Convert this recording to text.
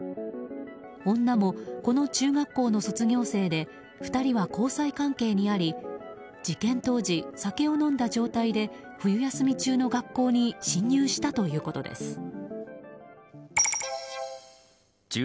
女も、この中学校の卒業生で２人は交際関係にあり事件当時、酒を飲んだ状態で冬休み中の学校に侵入したということです。